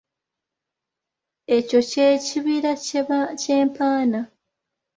Ekyo ky’ekibira kye mpaana.